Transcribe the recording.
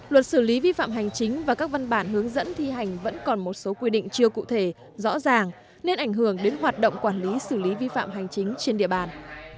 luật xử lý vi phạm hành chính và các văn bản hướng dẫn thi hành vẫn còn một số quy định chưa cụ thể rõ ràng nên ảnh hưởng đến hoạt động quản lý xử lý vi phạm hành chính trên địa bàn